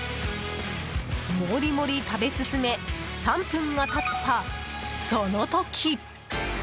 モリモリ食べ進め３分が経った、その時。